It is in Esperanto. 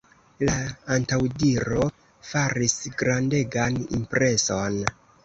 La antaŭdiro faris grandegan impreson.